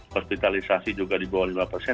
perpitalisasi juga di bawah lima persen